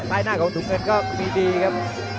หน้าของถุงเงินก็มีดีครับ